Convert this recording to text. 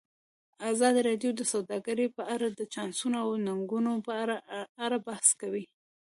ازادي راډیو د سوداګري په اړه د چانسونو او ننګونو په اړه بحث کړی.